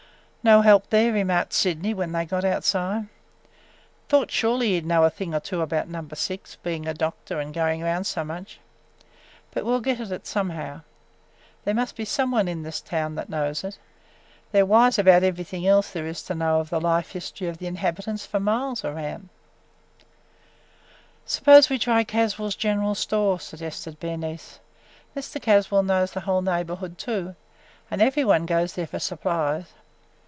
"No help there!" remarked Sydney when they got outside. "Thought surely he 'd know a thing or two about Number Six, being a doctor and going around so much. But we 'll get at it somehow. There must be some one in this town that knows it. They 're wise about everything else there is to know of the life history of the inhabitants for miles around!" "Suppose we try Caswell's general store," suggested Bernice. "Mr. Caswell knows the whole neighborhood too, and every one goes there for supplies.